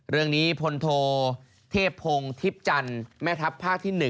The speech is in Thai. เรื่องนี้พลโทเทพพงศ์ทิพจันทร์แม่ทัพภาคที่๑